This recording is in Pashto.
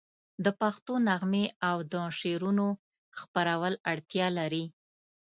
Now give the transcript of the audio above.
د پښتو نغمې او د شعرونو خپرول اړتیا لري.